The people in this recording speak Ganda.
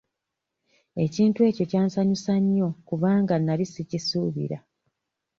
Ekintu ekyo kyansanyusa nnyo kubanga nali sikisuubira.